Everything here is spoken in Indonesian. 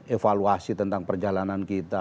evaluasi tentang perjalanan kita